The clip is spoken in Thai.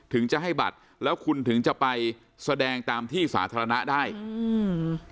ถึงจะให้บัตรแล้วคุณถึงจะไปแสดงตามที่สาธารณะได้อืม